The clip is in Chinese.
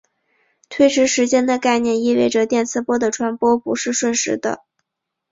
推迟时间的概念意味着电磁波的传播不是瞬时的。